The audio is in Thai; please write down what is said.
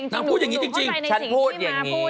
พูดอย่างนี้จริงฉันพูดอย่างนี้